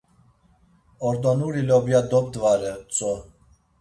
Ordonuri lobya dobdvare tzo.